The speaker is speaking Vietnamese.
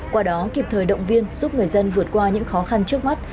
qua đó kịp thời động viên giúp người dân vượt qua những khó khăn trước mắt